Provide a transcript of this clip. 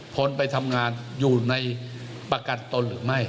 คนไปทำงานอยู่ในประกันตนหรือไม่